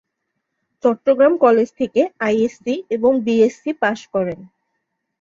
Chittagong college ISc আইএসসি এবং BSc pass করেন।